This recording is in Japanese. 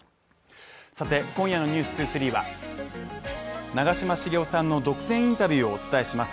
今夜の「ｎｅｗｓ２３」は長嶋茂雄さんの独占インタビューをお伝えします。